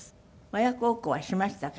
親孝行はしましたか？